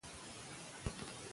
موږ د یو روښانه سبا په هیله یو.